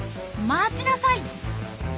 待ちなさい！」。